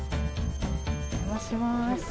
お邪魔します。